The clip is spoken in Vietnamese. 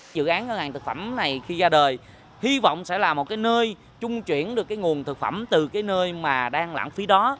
dự án hàng thực phẩm này khi ra đời hy vọng sẽ là một nơi trung chuyển được nguồn thực phẩm từ nơi đang lãng phí đó